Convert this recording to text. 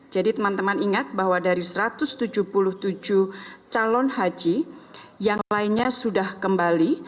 jadi teman teman ingat bahwa dari satu ratus tujuh puluh tujuh calon haji yang lainnya sudah kembali